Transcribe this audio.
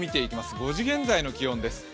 ５時現在の気温です。